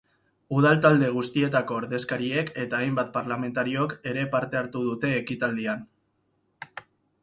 Udal talde guztietako ordezkariek eta hainbat parlamentariok ere parte hartu dute ekitaldian.